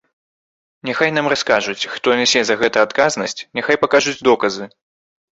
Няхай нам раскажуць, хто нясе за гэта адказнасць, няхай пакажуць доказы.